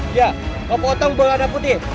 iya kau potong berwarna putih